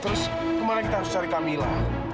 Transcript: terus ke mana kita harus cari kamila